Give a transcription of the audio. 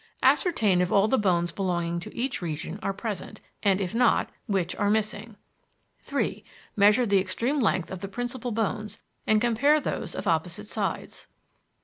Ascertain if all the bones belonging to each region are present, and if not, which are missing. "3. Measure the extreme length of the principal bones and compare those of opposite sides.